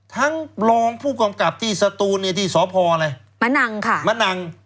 ทั้งปลองผู้กำกับที่สตูนที่สพค่ะมะนังค่ะ